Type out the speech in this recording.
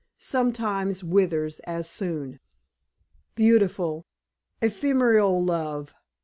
sometimes withers as soon. Beautiful, ephemeral love!